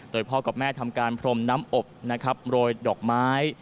โดยพ่อกับแม่ทำการพรมน้ำอบนะครับโรยดอกไม้